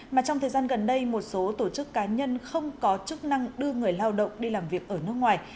mà trong thời gian gần đây một số tổ chức cá nhân không có chức năng đưa người lao động đi làm việc ở nước ngoài